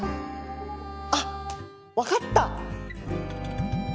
あっ分かった！